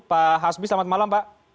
pak hasbi selamat malam pak